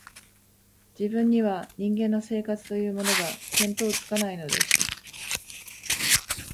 自分には、人間の生活というものが、見当つかないのです